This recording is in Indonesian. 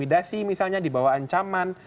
ada sih misalnya di bawah ancaman